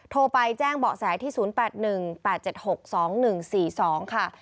โทรไปแจ้งเบาะแสที่๐๘๑๘๗๖๒๑๔๒ค่ะ